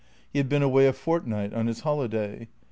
He had been away a fortnight, on his holiday.